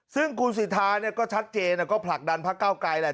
ซึ่งคุณสิทธาเนี่ยก็ชัดเจนก็ผลักดันพระเก้าไกลแหละ